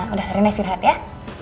udah rena sihat ya